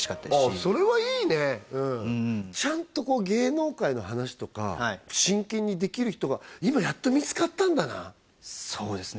あそれはいいねちゃんと芸能界の話とか真剣にできる人が今やっと見つかったんだなそうですね